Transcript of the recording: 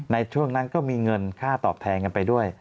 ในช่วงนั้นก็มีเงินค่าตอบแทนกันไปด้วย